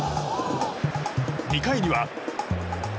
２回には。